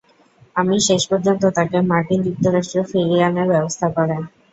আমির শেষ পর্যন্ত তাকে মার্কিন যুক্তরাষ্ট্রে ফিরিয়ে আনার ব্যবস্থা করে।